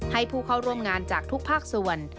ให้ผู้เข้าร่วมงานจากทุกภาคส่วน